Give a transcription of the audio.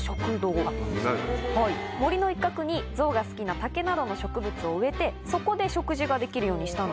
森の一角にゾウが好きな竹などの植物を植えてそこで食事ができるようにしたんです。